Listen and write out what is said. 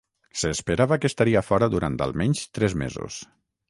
S'esperava que estaria fora durant almenys tres mesos.